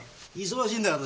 忙しいんだよ